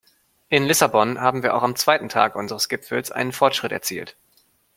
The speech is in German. In Lissabon haben wir auch am zweiten Tag unseres Gipfels einen Fortschritt erzielt.